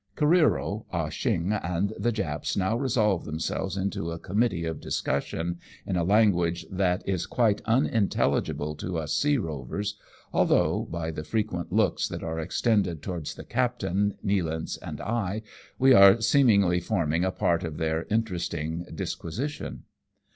Careero, Ah Cheong and the Japs now resolve themselves into a committee of discussion, in a language that is quite unintelligible to us sea rovers, although, by the frequent looks that are extended towards the captain, Nealance and I, we are seemingly forming a part of their interesting disquisi tion.